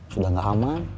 sudah enggak aman